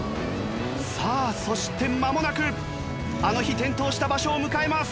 さあそしてまもなくあの日転倒した場所を迎えます。